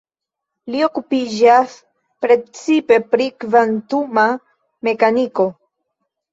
Li okupiĝas precipe pri kvantuma mekaniko.